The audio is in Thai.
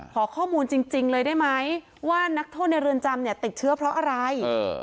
ขอข้อมูลจริงเลยได้ไหมว่านักโทษในเรือนจำเนี่ยติดเชื้อเพราะอะไร